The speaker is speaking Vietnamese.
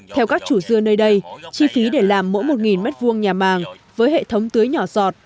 theo các chủ dưa nơi đây chi phí để làm mỗi một m hai nhà màng với hệ thống tưới nhỏ giọt